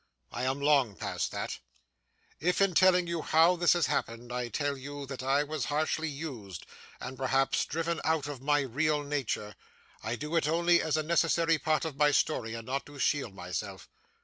I am long past that. If, in telling you how this has happened, I tell you that I was harshly used, and perhaps driven out of my real nature, I do it only as a necessary part of my story, and not to shield myself.